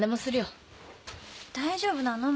大丈夫なの？